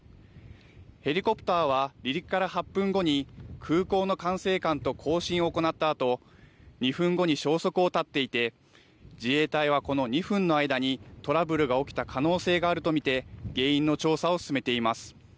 ヘリコプターは離陸から８分後に空港の管制官と交信を行ったあと２分後に消息を絶っていて自衛隊はこの２分の間にトラブルが起きた可能性があると見て原因の調査を進めています。